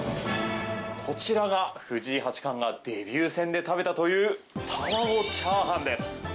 こちらが藤井八冠がデビュー戦で食べたという卵チャーハンです。